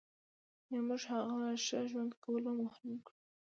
یعنې موږ هغه له ښه ژوند کولو محروم کړو.